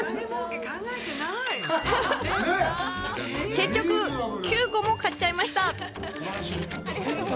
結局９個も買っちゃいました。